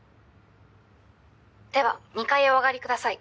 では２階へお上がりください。